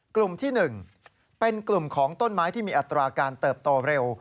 กลุ่มที่๑เป็นกลุ่มของต้นไม้ที่มีอัตราการเติบโตเร็ว